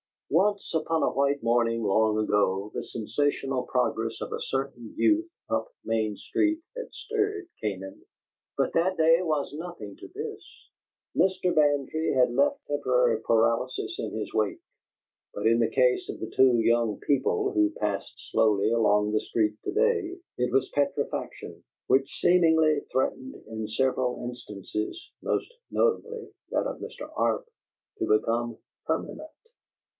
Once, upon a white morning long ago, the sensational progress of a certain youth up Main Street had stirred Canaan. But that day was as nothing to this. Mr. Bantry had left temporary paralysis in his wake; but in the case of the two young people who passed slowly along the street to day it was petrifaction, which seemingly threatened in several instances (most notably that of Mr. Arp) to become permanent.